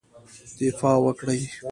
دفاع وکړی.